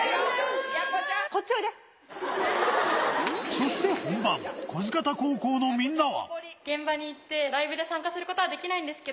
そして本番、不来方高校のみんなは。